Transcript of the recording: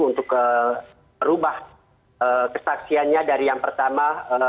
untuk merubah kesaksiannya dari yang pertama